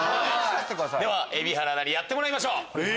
蛯原アナにやってもらいましょう。